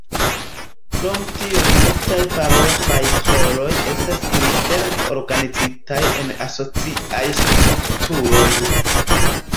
Krom tio multaj paroĥaj ĥoroj estas interne organizitaj en asociaj strukturoj.